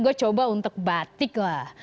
gue coba untuk batik lah